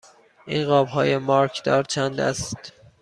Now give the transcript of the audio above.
این قاب های مارکدار چند است؟